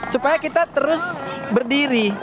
supaya kita terus berdiri